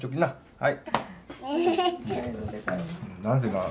はい。